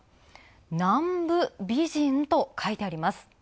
南部美人と書いてあります。